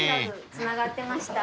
つながってました。